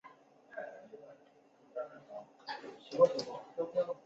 疙瘩银杏蟹为扇蟹科银杏蟹属的动物。